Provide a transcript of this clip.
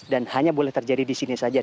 dan hanya boleh terjadi di sini saja